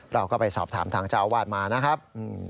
เราก็ไปสอบถามทางเจ้าอาวาสมานะครับ